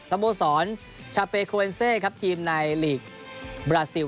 สโมสรชาเปคูเอนเซครับทีมในหลีกบราซิล